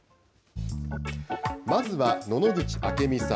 まずは野々口明美さん。